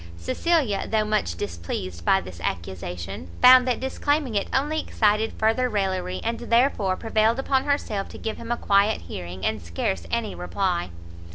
Cecilia, though much displeased by this accusation, found that disclaiming it only excited further raillery, and therefore prevailed upon herself to give him a quiet hearing, and scarce any reply.